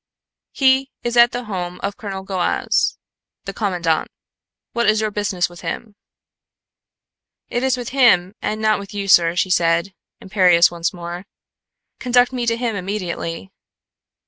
"He is at the home of Colonel Goaz, the commandant. What is your business with him?" "It is with him and not with you, sir," she said, imperious once more. "Conduct me to him immediately."